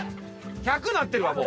１００になってるわもう。